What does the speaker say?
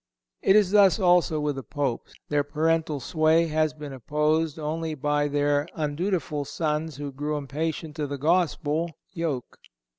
It is thus also with the Popes. Their parental sway has been opposed only by their undutiful sons who grew impatient of the Gospel yoke.